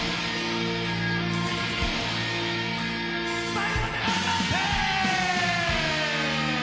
最後まで頑張って！